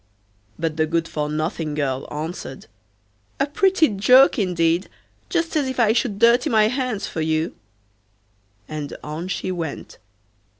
But the good for nothing girl answered: 'A pretty joke, indeed; just as if I should dirty my hands for you!' And on she went.